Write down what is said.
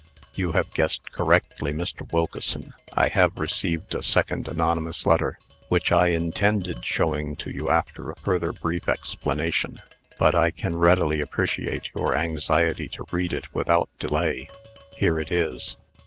"You have guessed correctly, Mr. Wilkeson. I have received a second anonymous letter, which I intended showing to you after a further brief explanation. But I can readily appreciate your anxiety to read it without delay. Here it is."